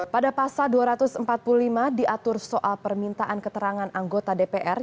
pada pasal dua ratus empat puluh lima diatur soal permintaan keterangan anggota dpr